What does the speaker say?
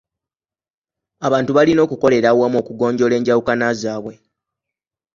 Abantu balina okukolera awamu okugonjoola enjawukana zaabwe.